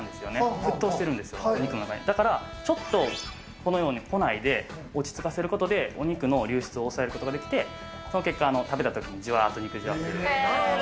沸騰してるんですよ、肉の中で、だからちょっとこのように庫内で落ち着かせることで、お肉の流出を抑えることができて、その結果、食べたときにじわっとなるほど。